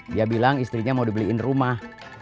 dia bilang istrinya mau dibeliin rumah